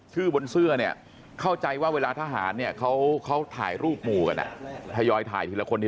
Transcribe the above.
ชื่อบนเสื้อเข้าใจว่าเวลาทหารเขาถ่ายรูปหมู่กัน